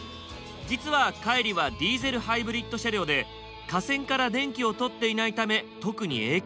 実は海里はディーゼルハイブリッド車両で架線から電気をとっていないため特に影響はないんです。